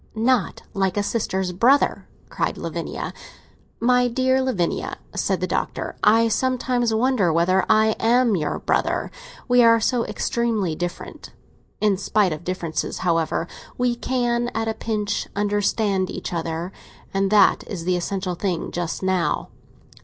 "Not like your sister's brother!" cried Lavinia. "My dear Lavinia," said the Doctor, "I sometimes wonder whether I am your brother. We are so extremely different. In spite of differences, however, we can, at a pinch, understand each other; and that is the essential thing just now.